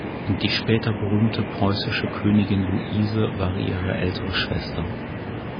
Die später berühmte preußische Königin Luise war ihre ältere Schwester.